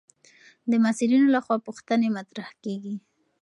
د محصلینو لخوا پوښتنې مطرح کېږي.